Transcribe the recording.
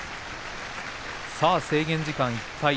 制限時間いっぱい。